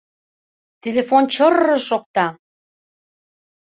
Телефон чыр-р-р-р шокта.